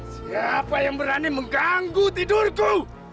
siapa yang berani mengganggu tidurku